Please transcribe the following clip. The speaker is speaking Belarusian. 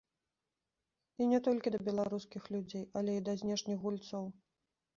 І не толькі да беларускіх людзей, але і да знешніх гульцоў.